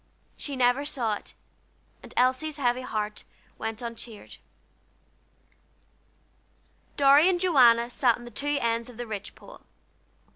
She never saw it, and Elsie's heavy heart went uncheered. Dorry and Joanna sat on the two ends of the ridge pole.